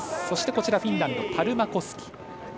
そしてフィンランドのパルマコスキ。